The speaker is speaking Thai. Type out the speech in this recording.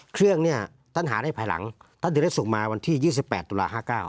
เครื่องเนี่ยท่านหาได้ภายหลังท่านจะได้ส่งมาวันที่๒๘ตุลา๕๙